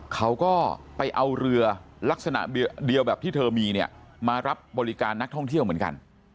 เขาก็ไปเอาเรือลักษณะเดียวแบบที่เธอมีเนี่ยมารับบริการนักท่องเที่ยวเหมือนกัน